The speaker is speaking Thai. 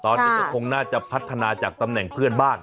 ตอนนี้ก็คงน่าจะพัฒนาจากตำแหน่งเพื่อนบ้าน